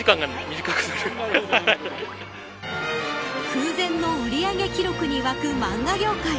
空前の売り上げ記録にわくマンガ業界。